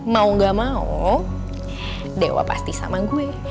mau gak mau dewa pasti sama gue